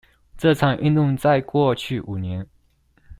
這場運動在過去五年